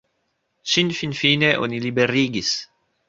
Ŝin finfine oni liberigis.